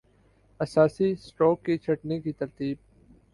اساسی-سٹروک کی چھٹنی کی ترتیب